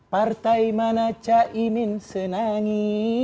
partai mana cahimin senangi